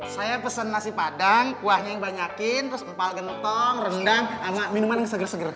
saya pesen nasi padang kuahnya yang banyakin terus empal gentong rendang sama minuman yang seger seger